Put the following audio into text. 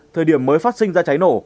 thời điểm mới phát sinh ra cháy nổ